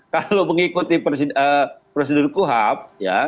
kalau mengikuti prosedur kuhap